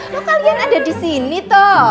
kok kalian ada disini tuh